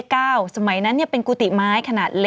จะเอาไปเล่นมิวสิกวิดีโอเพลงคนเดียวในดวงใจ